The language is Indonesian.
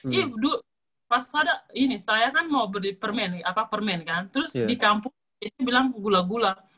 jadi pas ada ini saya kan mau beli permen kan terus di kampung biasanya bilang gula gula